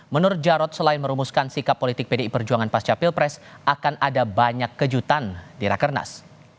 menurut jarod selain merumuskan sikap politik pdi perjuangan pasca pilpres akan ada banyak kejutan di rakernas